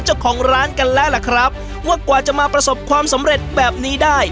เจ้าของร้านกันแล้วล่ะครับว่ากว่าจะมาประสบความสำเร็จแบบนี้ได้